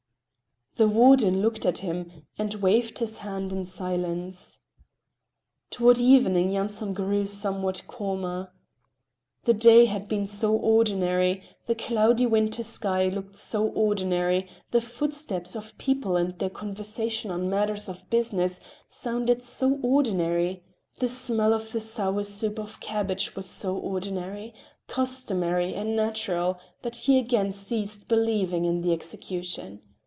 The warden looked at him and waved his hand in silence. Toward evening Yanson grew somewhat calmer. The day had been so ordinary, the cloudy winter sky looked so ordinary, the footsteps of people and their conversation on matters of business sounded so ordinary, the smell of the sour soup of cabbage was so ordinary, customary and natural that he again ceased believing in the execution.